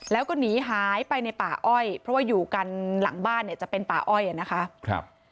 แล้วก็หนีหายไปในป่าอ้อยเพราะว่าอยู่กันหลังบ้านเนี่ยจะเป็นป่าอ้อยอ่ะนะคะ